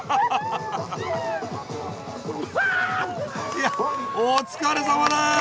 いやお疲れさまです！